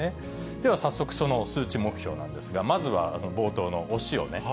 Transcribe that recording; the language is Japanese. では早速、その数値目標なんですが、まずは冒頭のお塩ね。